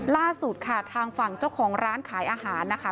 ล่าสุดค่ะทางฝั่งเจ้าของร้านขายอาหารนะคะ